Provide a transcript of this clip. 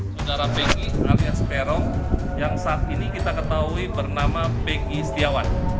saudara beki alias peron yang saat ini kita ketahui bernama beki setiawan